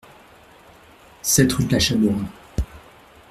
sept rue de la Chabourne